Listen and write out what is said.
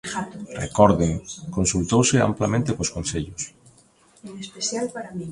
Recorden, consultouse amplamente cos concellos.